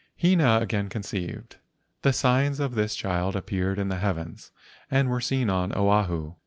Hina again conceived. The signs of this child appeared in the heavens and were seen on Oahu.